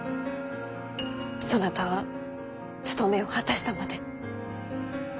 そなたは務めを果たしたまで。